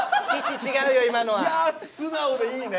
いや素直でいいね。